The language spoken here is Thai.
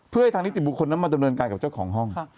เพื่อให้ทางนิติบุคคลนั้นมาดำเนินการกับเจ้าของห้อง